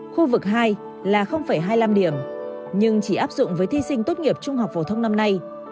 khu vực hai là hai mươi năm điểm nhưng chỉ áp dụng với thi sinh tốt nghiệp trung học phổ thông năm nay